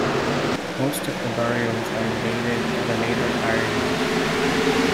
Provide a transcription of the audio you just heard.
Most of the burials are dated to the later Iron Age.